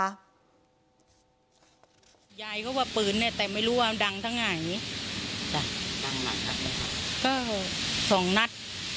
าก็บอบปึนเนี้ยแต่ไม่รู้ว่าดังทั้งหมายสองนัด